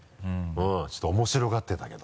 ちょっと面白がってたけど。